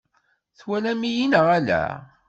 Twalam-iyi neɣ ala?